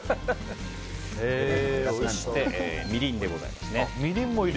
そして、みりんでございます。